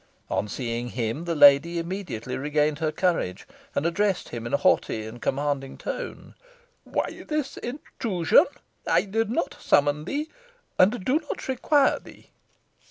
On seeing him, the lady immediately regained her courage, and addressed him in a haughty and commanding tone "Why this intrusion? I did not summon thee, and do not require thee."